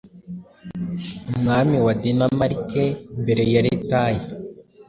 Umwami wa Danemark mbere ya retaye